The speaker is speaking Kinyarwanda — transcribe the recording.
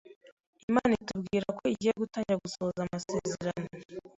Imana itubwirako igiye gutangira gusohoza amasezerano